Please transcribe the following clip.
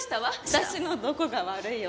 私のどこが悪い女なの？